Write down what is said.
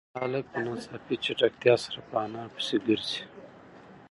هلک په ناڅاپي چټکتیا سره په انا پسې گرځي.